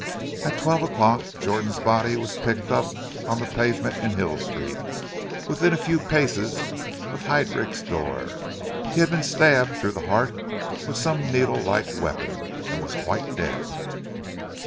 At twelve o'clock, Jordan's body was picked up on the pavement in Hill Street, within a few paces of Heidrich's door. He had been stabbed through the heart with some needle like weapon, and was quite dead."